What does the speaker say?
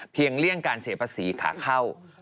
เพียงเลี่ยงการเสพสีขาเข้า